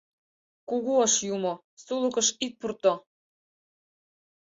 Кугу Ош Юмо, сулыкыш ит пурто!